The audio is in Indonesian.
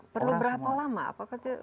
perlu berapa lama apakah